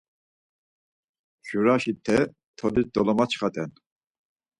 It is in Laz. Mjuraşi te tolis dolomaçxat̆en.